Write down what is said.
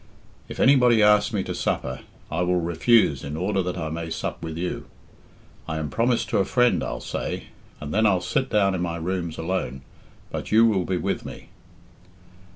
If any body asks me to supper, I will refuse in order that I may sup with you. 'I am promised to a friend,' I'll say, and then I'll sit down in my rooms alone, but you will be with me."